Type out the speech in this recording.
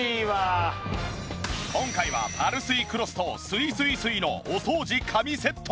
今回はパルスイクロスとすいすい水のお掃除神セット。